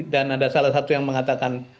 dan ada salah satu yang mengatakan